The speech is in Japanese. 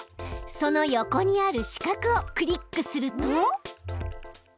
その横にある四角をクリックすると。